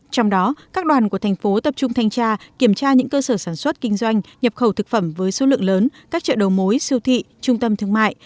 trong đó các đoàn của thành phố tập trung thanh tra kiểm tra những cơ sở sản xuất kinh doanh nhập khẩu thực phẩm với số lượng lớn các chợ đầu mối siêu thị trung tâm thương mại